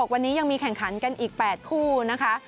วันนี้ยังมีแข่งขันกันอีก๘คู่นะคะ